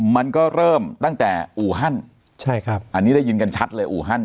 มันก็เริ่มตั้งแต่อู่ฮั่นใช่ครับอันนี้ได้ยินกันชัดเลยอูฮัน